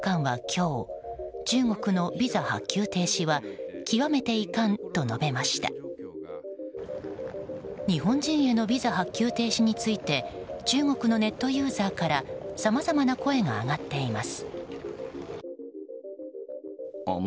日本人へのビザ発給停止について中国のネットユーザーからさまざまな声が上がっています。